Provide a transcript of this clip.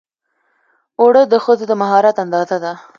اوړه د ښځو د مهارت اندازه ده